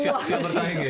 siapa yang bertahing ya